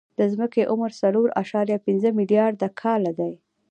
د ځمکې عمر څلور اعشاریه پنځه ملیارده کاله دی.